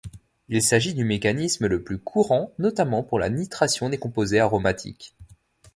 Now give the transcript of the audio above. Il s'agit du mécanisme le plus courant notamment pour la nitration des composés aromatiques.